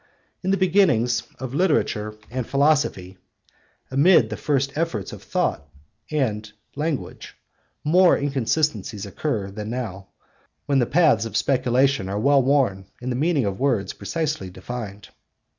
In the beginnings of literature and philosophy, amid the first efforts of thought and language, more inconsistencies occur than now, when the paths of speculation are well worn and the meaning of words precisely defined.